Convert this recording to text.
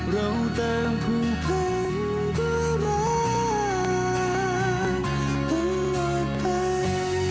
เราแต่งผู้เพิ่มกว่านั้นทั้งหมดไป